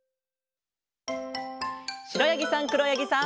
しろやぎさんくろやぎさん。